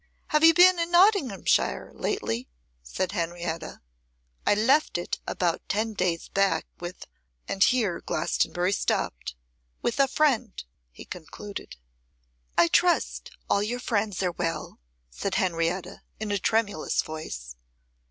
'Have you been in Nottinghamshire lately?' said Henrietta. 'I left it about ten days back with ,' and here Glastonbury stopped, 'with a friend,' he concluded. 'I trust all your friends are well,' said Henrietta, in a tremulous voice.